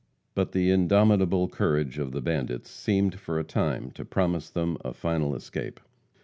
But the indomitable courage of the bandits seemed for a time to promise them a final escape.